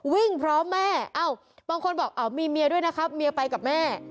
วิ่งเพราะแม่อ้าวบางคนบอกอ่าวมีเมียด้วยนะครับเมียไปกับแม่